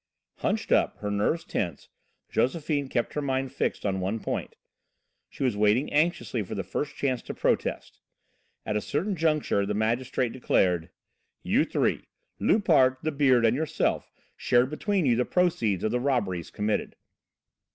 Hunched up, her nerves tense, Josephine kept her mind fixed on one point. She was waiting anxiously for the first chance to protest. At a certain juncture the magistrate declared: "You three, Loupart, 'The Beard' and yourself, shared between you the proceeds of the robberies committed."